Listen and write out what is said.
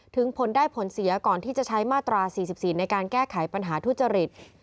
ผลได้ผลเสียก่อนที่จะใช้มาตรา๔๔ในการแก้ไขปัญหาทุจริต